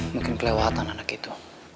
mungkin kelewatan anak itu